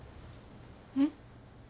えっ？